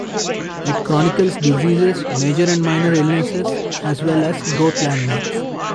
It chronicles diseases, major and minor illnesses, as well as growth landmarks.